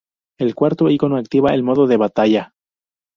El cuarto icono activa el modo de batalla.